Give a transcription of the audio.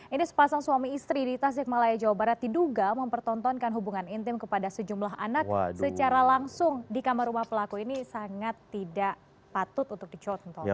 ini sepasang suami istri di tasik malaya jawa barat diduga mempertontonkan hubungan intim kepada sejumlah anak secara langsung di kamar rumah pelaku ini sangat tidak patut untuk dicontoh